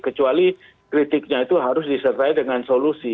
kecuali kritiknya itu harus disertai dengan solusi